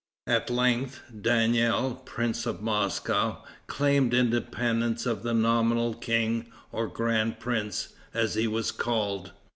At length Daniel, prince of Moscow, claimed independence of the nominal king, or grand prince, as he was called.